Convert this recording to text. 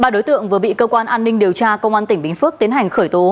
ba đối tượng vừa bị cơ quan an ninh điều tra công an tỉnh bình phước tiến hành khởi tố